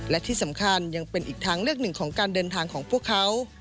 และที่สำคัญยังเป็นอีกทางเลือกหนึ่งของการเดินทางของพวกเขา